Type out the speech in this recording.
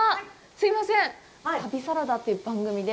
すいません、「旅サラダ」という番組で。